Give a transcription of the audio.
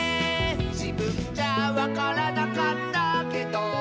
「じぶんじゃわからなかったけど」